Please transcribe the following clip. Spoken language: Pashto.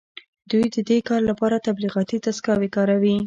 دوی د دې کار لپاره تبلیغاتي دستګاوې کاروي